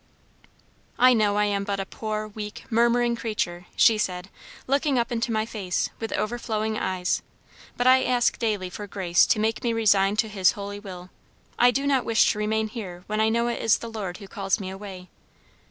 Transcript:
"I know I am but a poor, weak, murmuring creature," she said, looking up into my face, with overflowing eyes. "But I ask daily for grace to make me resigned to His holy will. I do not wish to remain here when I know it is the Lord who calls me away.